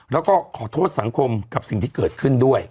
แล้วก็ขอโทษสังคมกับสิ่งที่เกิดขึ้นด้วย